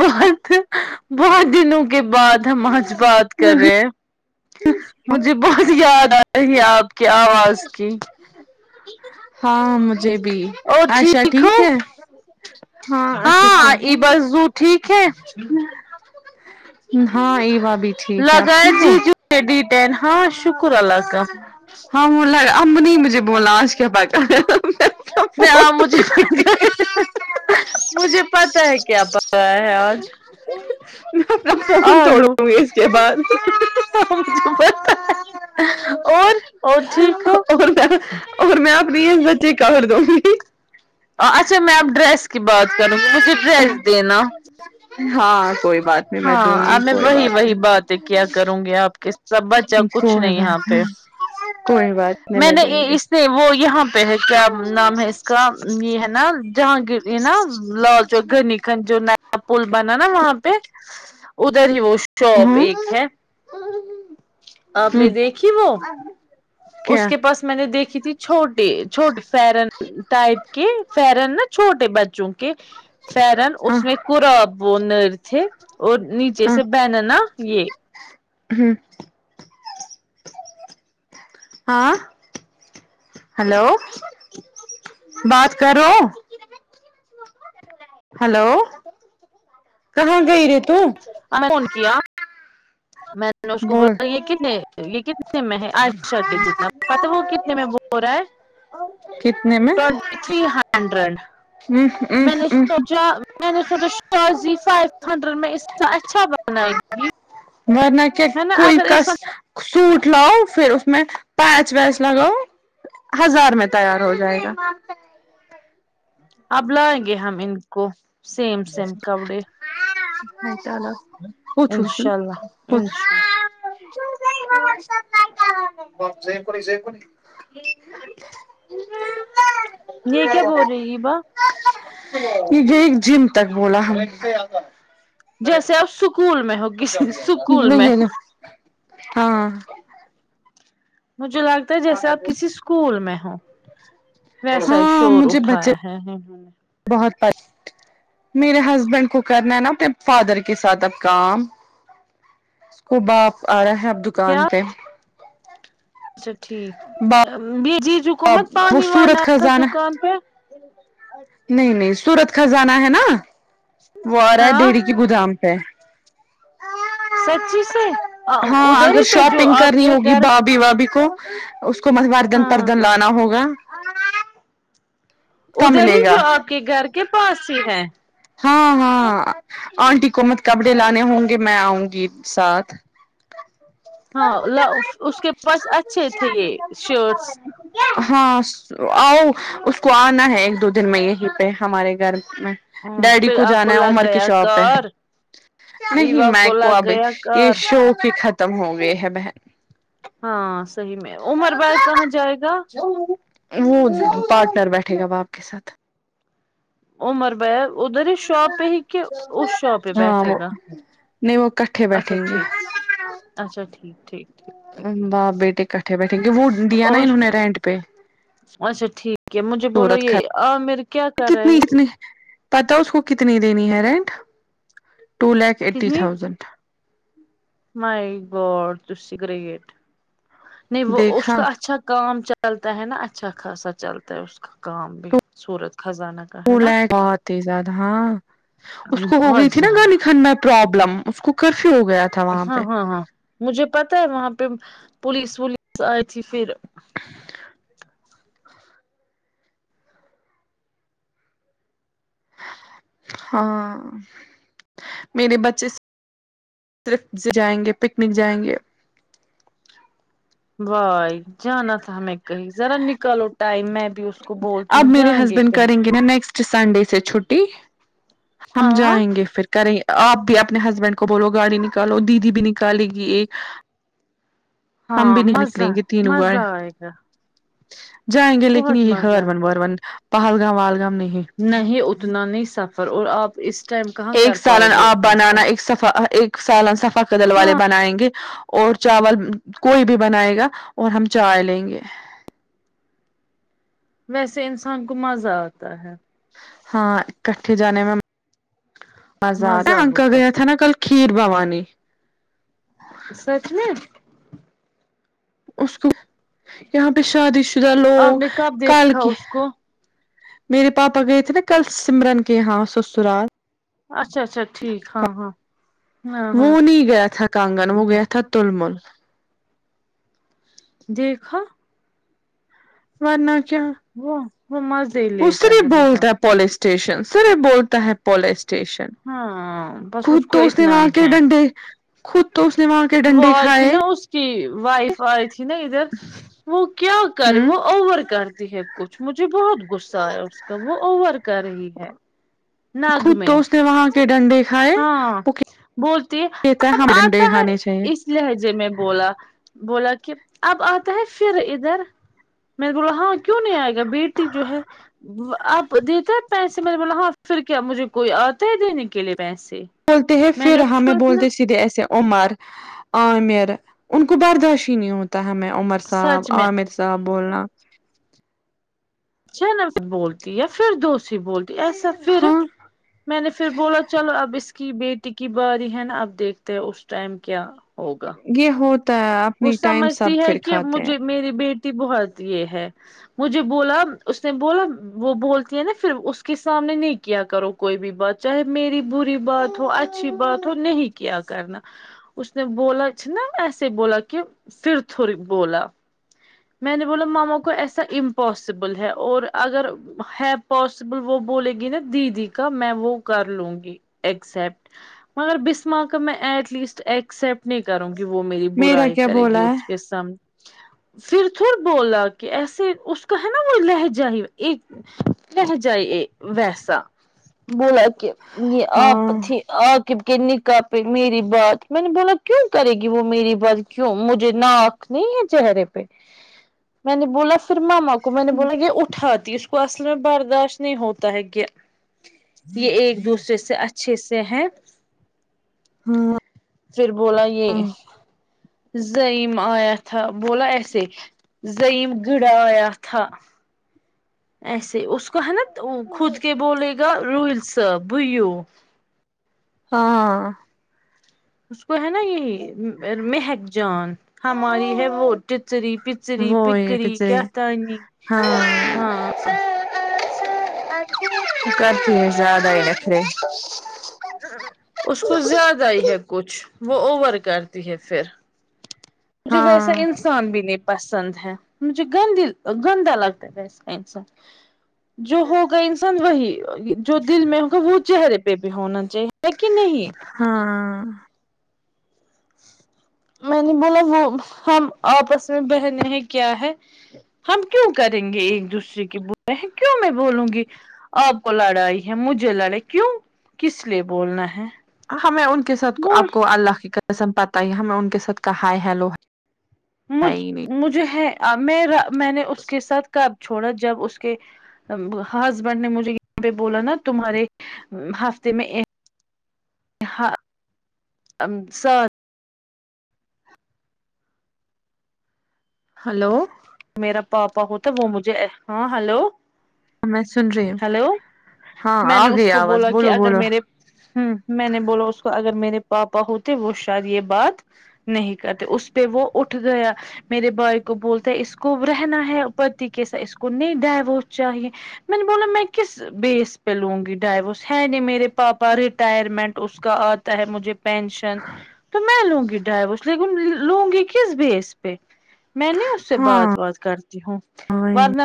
بہت بہت دنوں کے بعد ہم آج بات کر رہے ہیں مجھے بہت یاد آ رہی ہے آپ کی آواز کی ہاں مجھے بھی اور اشا ٹھیک ہو ہے اچھے ہاں سے ایبذو ٹھیک ہے ہاں ایوا بھی ٹھیک ہے آپ ٹھیک ہو تھر ڈی ٹین ہاں شکر اللہ کا ہاں بولا ہے امبنی مجھے بولا آج کے بعد نہیں آ مجھے [unintelligible] مجھے پتا ہے کیا پکایا ہے آج میں اپنا فون آلو توڑوں گی اس کے بعد اور اور ٹھیک ہو اور میں اور میں اپنی عزت ہی کر دوں گی اچھا میں اب ڈریس کی بات کروں گی مجھے ڈریس دینا ہاں کوئی بات نہیں میں ہاں دوں گی اب میں کوئی وہی وہی نہیں بات ہے کیا کروں گی آپ کے سب بچہ کچھ کوئی نہیں یہاں بات پہ ہاں کوئی بات نہیں میں نے دوں ای گی اس نہیں وہ یہاں پہ ہے کیا نام ہے اس کا یہ ہے نا جہانگیر یہ نا لال جو گھنی کھن جو نیا پل بنا نا وہاں پہ ادھر ہی وہ شاپ ہاں ایک ہے آپ نے ہوں دیکھی وہ کیا اس کے پاس میں نے دیکھی تھی چھو ٹے چھوٹے فرن ٹائپ کے فرن نا چھوٹے بچوں کے فیرن ہاں اس میں قراب وہ نر تھے اور نیچے سے پہنا نہ یہ ہوں ہاں ہلو بات کرو ہلو کہاں گئی رے تو ہمیں فون کیا میں نے اس کو بول بولا یہ کتنے یہ کتنے میں ہے اچھا جی جناب پتہ ہے وہ کتنے میں بول رہا ہے کتنے میں ٹوئنٹی تری ہنڈریڈ ا میں ا نے ا سوچا میں نے سوچا خطر شی فائیو ہنڈریڈ میں اس سے اچھا سنائی تھی ورنہ کیا کوئی کا سوٹ لاؤ پھر اس میں پیچ ویچ لگاؤ ہزار میں تیار ہو جائے گا اب لائیں گے ہم ان کو سیم سیم کپڑے رہتا الگ پوچھوں سن انشاء اللہ پوچھ انشاء ج کوی ج کوی [unintelligible] یہ کیا بول رہی ہیبا جی ایک جم تک بولا ہمیں جیسے آپ اسکول میں ہو کسی اس اسکول میں یہ نا ہاں مجھے لگتا جیسے آپ کسی اسکول میں ہو ویسا ہی ہاں شور مجھے بچے اٹھایا ہے نہیں بہت بٹ میرے ہسبینڈ کو کرنا ہے نا اپنے فادر کے ساتھ اب کام اسکو باپ آ رہا ہے اب دکان کیا پہ اچھا ٹھیک جیجو کومت باپ وہ پانی وانی سورت رکھ خزانہ دکان پہ نہیں نہیں سورت خزانہ ہے نا وہ آ رہا ہے ہاں ڈری کی گودام پہ سچی سے ہاں ادھر اگر ہی پہ جو شاپنگ آپ کرنی کے ہوگی گھر بھابھی وابی کو اس کو مہوار گنتر ہاں کن لانا ہوگا کا ادھر ہی ملے گا جو آپ کے گھر کے پاس ہی ہے ہاں ہاں آنٹی کو مت کپڑے لانے ہوں گے میں آؤں گی ساتھ ہاں لوف اس کے پاس اچھے تھے یہ شرٹس ہاں سو آؤ اس کو آنا ہے ایک دو دن میں یہی پہ ہمارے گھر میں ہاں ڈیڈی پھر کو آپ جانا ہے لگ عمر کی گیا شاپ پہ کار نہیں ایوا میں کو لگ ابھی گیا یہ کار شوق ھی ختم ہو گئے ہے بہن ہاں صحیح میں عمر بھائی کہاں جائے گا وہ پاٹنر بیٹھے گا اب آپ کے ساتھ عمر بھیا ادھر ہی شاپ پہ ہی کہ اس شاپ پہ ہاں بیٹھے وہ گا نہیں وہ کٹھے اچھا بیٹھیں گے ٹھیک اچھا ٹھیک ٹھیک ٹھیک باپ بیٹے اکٹھے بیٹھے گے وہ دیا نا اور انہوں نے رینٹ پہ اچھا ٹھیک ہے مجھے بولو صورت خ یہ عامر کیا کر رہا ہے کتنی کتنی پتا اس کو کتنی دینی ہے رینٹ ٹو لاکھ ایٹی کتنی تھاؤزینڈ مائی گوڈ تسی گریٹ نہیں وہ اس دیکھا کا اچھا کام چل چلتا ہے نا اچھا خاصا چلتا ہے اس کا کام بھی سورت خزانہ کا ہے بولا نا اے بہت ہی زیادہ ہاں اس کو ہو بہت گئی تھی نا گالی زیادہ کھنا پرابلم اس کو کرفیو ہو گیا تھا وہاں ہاں پہ ہاں ہاں مجھے پتا ہے وہاں پر پولیس ولیس آئی تھی پھر [inaudible] ہاں میرے بچے صرف جائیں گے پکنک جائیں گے بھائی جانا تھا ہمیں کہیں ذرا نکالو ٹائم میں بھی اس کو بولتی اب ہوں میرے جائیں گے ہسبینڈ کہیں کریں گے نا نیکسٹ سنڈے سے چھٹی ہم ہاں جائیں گے پھر کریں آپ بھی اپنے ہسبینڈ کو بولو گاڑی نکالو دیدی بھی نکالے گی ایک ہم ہاں بھی مزہ نکلیں گے تینوں گاڑی مزہ آئگا جائیں گے لیکن یہ ہر مزہ ون ور ون پہلگام وہلگام نہیں نہیں اتنا نہیں سفر اور آپ اس ٹائم کہاں ایک کر پاؤ سالن گے آپ اتنا بنانا سفر ایک سفا ایک سالن صفا کدل والے ہاں بنائیں گے اور چاول کوئی بھی بنائے گا اور ہم چائے لیں گے ویسے انسان کو مزہ آتا ہے ہاں اکٹھے جانے میں مزہ آتا انکل ہوتا گیا ہے تھا نا کل کھیر بھوانی سچ میں اس کو یہاں پہ شادی شدہ آپ لوگ نے کب کال دیکھا کے اس کو میرے پاپا گئے تھے نا کل سمرن کے ہاں سسرال اچھا اچھا ٹھیک ہاں ہاں ہاں ہاں وہ نہیں گیا تھا کانگن وہ گیا تھا تلمل دیکھا ورنہ کیا وہ وہ مزہ وہ لیتا صرف ہے بہت بولتا پولیس اسٹیشن سر یہ بولتا ہے پولے اسٹیشن ہاں بس خود کو تو اس نے اتنا وہاں ہی کے ہے ڈنڈے خود تو اس نے وہاں کے وہ ڈنڈے آئی تھی کھائے نا اس کی وائف آئی تھی نا ادھر وہ کیا کر ہوں وہ اوور کرتی ہے کچھ مجھے بہت غصہ آیا اس کا وہ اوور کر رہی ہے نگ خود میں تو اس نے وہاں کے ڈنڈے کھائے ہاں وہ بولتی ہے کہتا اب ہمیں آتا ڈنڈے ہے کھانے چاہیے اس لہجے میں بولا بولا کہ اب آتا ہے پھر ادھر میں نے بولا ہاں کیوں نہیں آئے گا بیٹی جو ہے آپ دیتا ہے پیسے میں نے بولا ہاں پھر کیا مجھے کوئی آتا ہے دینے کے لیے پیسے بولتے ہیں میں پھر نے اس کو ہمیں اتنا بولتے سیدھے ایسے عمر عامر ان کو برداشت ہی نہیں ہوتا ہمیں عمر صاحب سچ میں عامر صاحب بولنا چھ نمبر بولتی یا پھر دو سری بولتی ایسا پھر ہاں میں نے پھر بولا چلو اب اس کی بیٹی کی باری ہے نا اب دیکھتے ہیں اس ٹائم کیا ہو یہ ہوتا ہے وہ اپنی ٹائم سمجھتی سب ہے پھر کہ کھاتے ہیں مجھے میری بیٹی بہت یہ ہے مجھے بولا اس نے بولا وہ بولتی ہے نا پھر اس کے سامنے نہیں کیا کرو کوئی بھی بات چاہے میری بری بات ہو اچھی بات ہو نہیں کیا کرنا اس نے بولچ نا ایسے بولا کہ پھر تھوڑی بولا میں نے بولا ماما کو ایسا امپاسبل ہے اور اگر ہے پوس سبل وہ بولے گی نا دیدی کا میں وہ کر لوں گی ایکسپٹ مگر بسمہ کا میں ایٹ لیسٹ ایکسیپٹ نہیں کروں گی وہ میری میرا برائی کیا کرے گی بولا ہے اس کے سامنے پھر تھڑ بولا کہ ایسے اس کا ہے نا وہ لہجائی ایک لہجہ ہی ویسا بولا کہ یہ آپ ہاں تھے آقب کے نکاح پہ میری بات میں نے بولا کیوں کرے گی وہ میری بات کیوں مجھے نا ک نہیں ہے چہرے پہ میں نے بولا پھر ماما کو میں نے بولا یہ اٹھاتی اس کو اصل میں برداشت نہیں ہوتا ہے کہ یہ ایک دوسرے سے اچ چھے سے ہے ہوں پھر بولا یہ زائم آیا تھا بولا ایس سے زائم گڑا آیا تھا ایسے اس کو ہے نا خود کے بولے گا روہیل صاح بویو ہاں اس کو ہے نا یہی مہک جان ہماری ہے وہ پچری پچری وہ یہ پکری بچری کیاتانی ہاں ہاں کرتی ہیں زیادہ ہی رکھ رہے اس کو زیادہ ہی ہے کچھ وہ اوور کرتی ہے پھر مجھے ویسا ہاں انس سان بھی نہیں پسند ہے مجھے گندی گندا لگتا ہے وس کا انسان جو ہو گا انسان وہی جو دل میں ہوگا وہ چہرے پہ بھی ہونا چاہیے ہے کہ نہیں ہاں میں نے بولا وہ ہم آپس میں بہنے ہیں کیا ہے ہم کیوں کریں گے ایک دوسرے کی بولے ہیں کیوں میں بولوں گی آپ کو لڑائی ہے مجھے لڑے کیوں کس لیے بولنا ہے ہمیں ان کے ساتھ بول آپ کو اللہ کی قسم پتا ہے ہمیں ان کے ساتھ کا ہائے ہیلو ہے مج ہی نہیں مجھے ہے میں میں نے اس کے ساتھ کب چھوڑا جب اس کے ہسبینڈ نے مجھے یہاں پہ بولا نا تمہارے ہفتے میں ہاں سات ہلو میرا پاپا ہوتا وہ مجھے ہاں ہلو میں سن رہی ہوں ہلو ہاں میں آ نے اس گئی کو آواز بولا کہ بولو اگر بولو میرے ہوں میں نے بولا اس کو اگر میرے پاپا ہوتے وہ شاید یہ بات نہیں کرتے اس پہ وہ اٹھ گیا میرے بھائی کو بولتا اس کو رہنا ہے پتی کے سے اس کو نہیں ڈائیورس چاہیے میں نے بولا میں کس بیس پہ لوں گی ڈائیورس ہے نے میرے پاپا ریٹائرمنٹ اس کا آ تا ہے مجھے پینشن تو میں لوں گی ڈائیورس لیکن لوں گی کس بیس پہ میں نہیں اس سے ہاں بات وات کرتی ہوں ور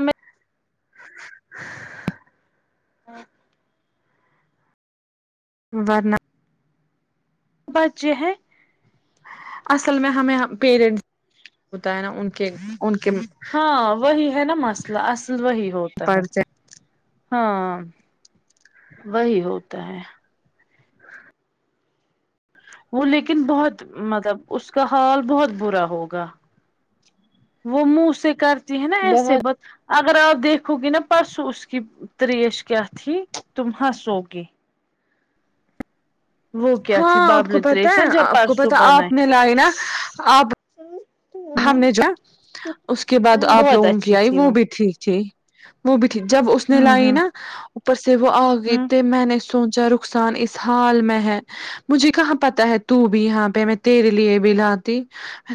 ورنہ بچے ہیں اصل میں ہمیں پیرنٹس ہوتا ہے نا ان کے ان کے ہاں وہی ہے نا مسئلہ اصل وہی ہوتا ہے پرچے ہاں وہی ہوتا ہے وہ لیکن بہت مطلب اس کا حال بہت برا ہوگا وہ منہ سے کرتی ہے نا بہت ایسے بت اگر آپ دیکھو گی نا پرسوں اس کی تریش کیا تھی تم ہنسو گی وہ کیا ہاں تھی آپ کو بابل پتا تریش نا ہے جب آپ کو پرسوں پتا بنا آپ نے لائی نا آپ ہے ہم نے جو ہے اس کے بعد آپ بہت لوگوں کی اچھی آئی تھی وہ بھی ٹھیک تھی وہ بھی تھی جب اس نے ہوں لائی ہوں نا اوپر سے وہ آ گئی ہوں تے میں نے سوچا رخسان اس حال میں ہے مجھے کہاں پتا ہے تو بھی یہاں پہ میں تیرے لیے بھی لاتی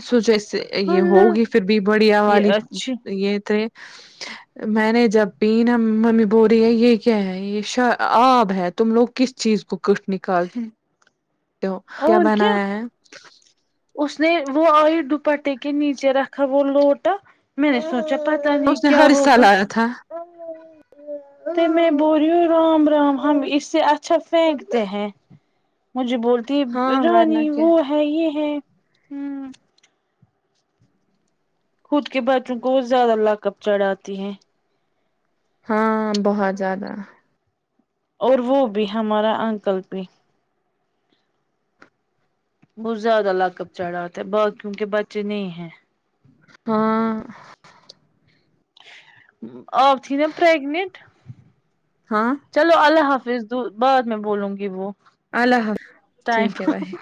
سوچا اس سے یہ اللہ ہوگی پھر بھی بڑھیا یہ والی اچھی یہ تھے میں نے جب پینا ممی بول رہی ہے یہ کیا ہے یہ شرآب ہے تم لوگ کس چیز کو کٹ نکالتے ہو کیا بنایا ہے اس نے وہ آئی دوپٹے کے نیچے رکھا وہ لوٹا میں نے سوچا پتا نہیں اس نے کیا ہر سال ہوگا آیا تھا تو میں بول رہی ہوں رام رام ہم اس سے اچھا پھینکتے ہیں مجھے بولتی ہاں ورنہ رانی کیا وہ ہے یہ ہے خود کے بچوں کو زیادہ لاکب چڑھاتی ہیں ہاں بہت زیادہ اور وہ بھی ہمارا انکل بھی بہت زیادہ لاکب چڑھا تے باقیوں کے بچے نہیں ہیں ہاں آپ تھی نا پریگننٹ ہاں چلو اللہ حافظ بعد میں بولوں گی وہ اللہ حاف ٹائم ٹھیک ہے بھائی